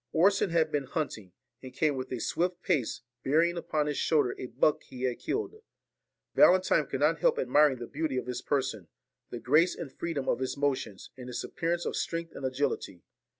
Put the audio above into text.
Orson had been hunting, and came with a swift pace, bearing upon his shoulders a buck he had killed. Valentine could not help admiring the beauty of his person, the grace and freedom of his motions, and his appearance of strength and agility.